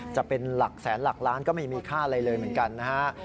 จะเป็นหลักแสนหลักล้านก็ไม่มีค่าอะไรเลยเหมือนกันนะฮะ